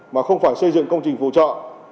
mà không phải xây dựng công trình phù trợ